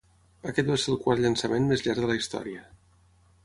Aquest va ser el quart llançament més llarg de la història.